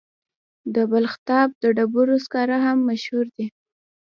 د بلخاب د ډبرو سکاره هم مشهور دي.